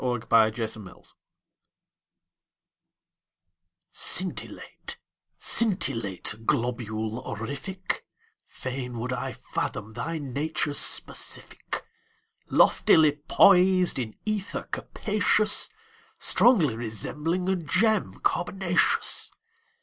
_ THE LITTLE STAR Scintillate, scintillate, globule orific, Fain would I fathom thy nature's specific. Loftily poised in ether capacious, Strongly resembling a gem carbonaceous.